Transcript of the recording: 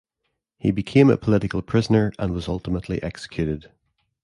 He became a political prisoner and was ultimately executed.